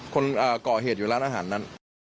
คนก่อเหตุอยู่ร้านอาหารนั้น